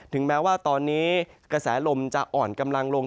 แม้ว่าตอนนี้กระแสลมจะอ่อนกำลังลง